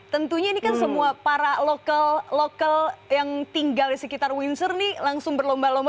tentunya ini kan semua para lokal lokal yang tinggal di sekitar windsor nih langsung berlomba lomba